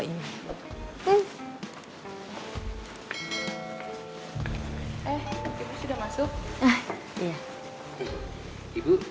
aku yakin banget plastik my space suka banget gue yang aku bawa ini